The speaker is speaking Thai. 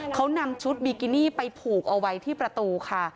เขานำชุดบิกินี่ไปผูกเอาไว้ที่ประตูค่ะ